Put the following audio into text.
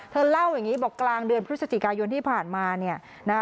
เล่าอย่างนี้บอกกลางเดือนพฤศจิกายนที่ผ่านมาเนี่ยนะ